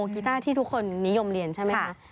กีต้าที่ทุกคนนิยมเรียนใช่ไหมคะ